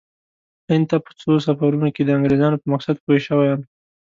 هند ته په څو سفرونو کې د انګریزانو په مقصد پوه شوی یم.